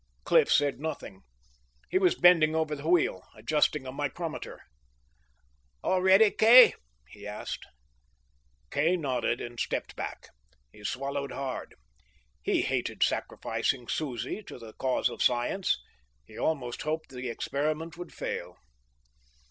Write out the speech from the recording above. Cliff said nothing. He was bending over the wheel, adjusting a micrometer. "All ready, Kay?" he asked. Kay nodded and stepped back. He swallowed hard. He hated sacrificing Susie to the cause of science; he almost hoped the experiment would fail.